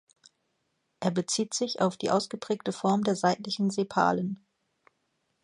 Er bezieht sich auf die ausgeprägte Form der seitlichen Sepalen.